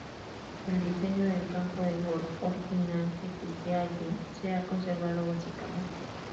El diseño del campo de golf original que existía allí se ha conservado básicamente.